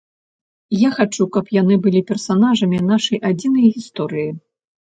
Я хачу, каб яны былі персанажамі нашай адзінай гісторыі.